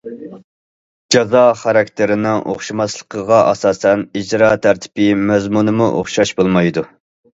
جازا خاراكتېرىنىڭ ئوخشىماسلىقىغا ئاساسەن ئىجرا تەرتىپى، مەزمۇنىمۇ ئوخشاش بولمايدۇ.